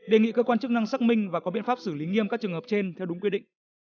đề nghị cơ quan chức năng xác minh và có biện pháp xử lý nghiêm các trường hợp trên theo đúng quy định